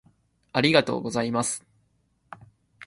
ありがとうございます。